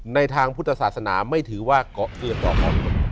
ในทางพุทธศาสนาไม่ถือว่าเกาะเกิดต่อมนุษย์